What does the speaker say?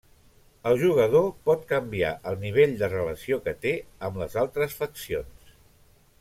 El jugador pot canviar el nivell de relació que té amb les altres faccions.